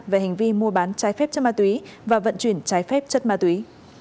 về hành vi mua bán trái phép chất ma túy và vận chuyển trái phép chất ma túy